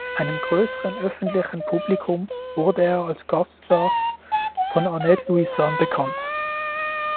Einem größeren öffentlichen Publikum wurde er als Gaststar von Annett Louisan bekannt.